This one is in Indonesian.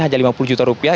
hanya lima puluh juta rupiah